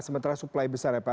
sementara suplai besar ya pak